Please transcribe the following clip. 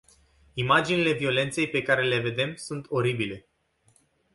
Imaginile violenței pe care le vedem sunt oribile.